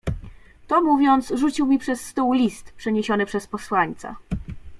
"To mówiąc, rzucił mi przez stół list, przyniesiony przez posłańca."